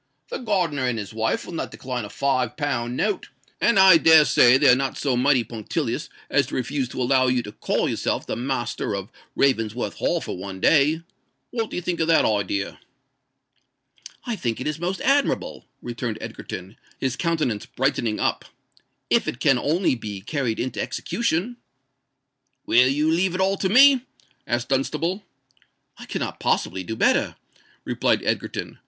"The gardener and his wife will not decline a five pound note; and I dare say they are not so mighty punctilious as to refuse to allow you to call yourself the master of Ravensworth Hall for one day. What do you think of that idea?" "I think it is most admirable," returned Egerton, his countenance brightening up—"if it can only be carried into execution." "Will you leave it all to me?" asked Dunstable. "I cannot possibly do better," replied Egerton.